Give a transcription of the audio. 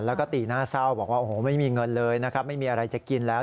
แล้วก็ตีหน้าเศร้าบอกว่าโอ้โหไม่มีเงินเลยนะครับไม่มีอะไรจะกินแล้ว